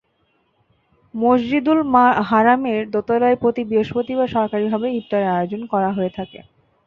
মসজিদুল হারামের দোতলায় প্রতি বৃহস্পতিবার সরকারিভাবে ইফতারের আয়োজন করা হয়ে থাকে।